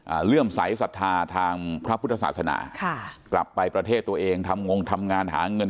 เลื่อมใสสัทธาทางพระพุทธศาสนาค่ะกลับไปประเทศตัวเองทำงงทำงานหาเงิน